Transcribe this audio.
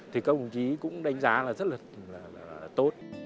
thì các ông chí cũng đánh giá là rất là tốt